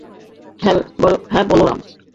হ্যাঁ, বলরাম।